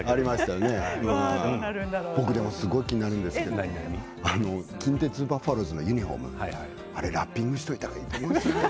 気になるんですけれど近鉄バファローズのユニフォームあれ、ラッピングしておいた方がいいと思うんですよね。